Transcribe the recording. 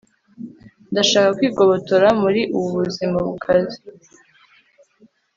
ndashaka kwigobotora muri ubu buzima bukaze